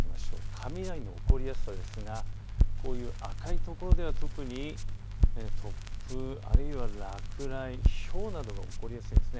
雷の起こりやすさですが赤い所では特に突風あるいは落雷、ひょうなどが起こりやすいんです。